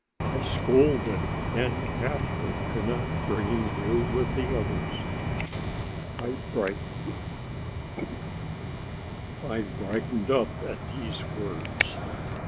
"I scolded Aunt Catherine for not bringing you with the others." I brightened up at these words.